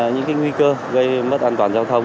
những nguy cơ gây mất an toàn giao thông